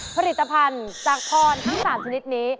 ผลิตภัณฑ์จากพรทั้ง๓ชนิดนี้